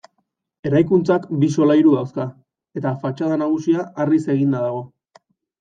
Eraikuntzak bi solairu dauzka, eta fatxada nagusia harriz eginda dago.